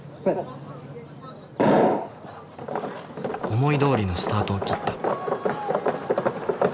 思いどおりのスタートを切った。